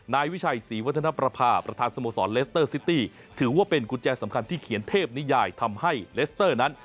นายวิชัยศรีวัฒนประพาประธานสโมสรเลสเตอร์ซิตี้ถือว่าเป็นกุญแจสำคัญที่เขียนเทพนิยายทำให้เลสเตอร์นั้น